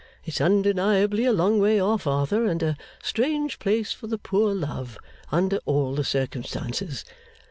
It's undeniably a long way off, Arthur, and a strange place for the poor love under all the circumstances.